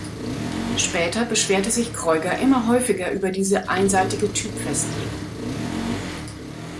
Später beschwerte sich Kreuger immer häufiger über diese einseitige Typ-Festlegung.